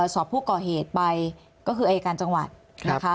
สอบผู้ก่อเหตุไปก็คืออายการจังหวัดนะคะ